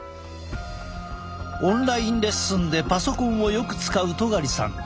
オンラインレッスンでパソコンをよく使う戸苅さん。